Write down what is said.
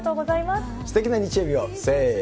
すてきな日曜日を。